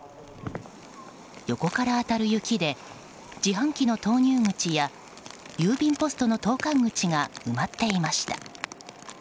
横から当たる雪で自販機の投入口や郵便ポストの投函口が埋まっていました。